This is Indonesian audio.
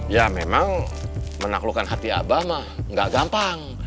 ya memang menaklukkan hati abah mah gak gampang